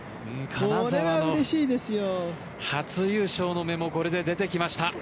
金澤の初優勝の芽もこれで出てきました。